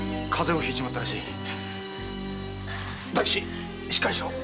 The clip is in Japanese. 大吉しっかりしろ！